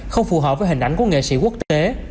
không phù hợp với hình ảnh của nghệ sĩ quốc tế